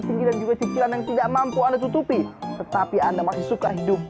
tinggi dan juga cicilan yang tidak mampu anda tutupi tetapi anda masih suka hidup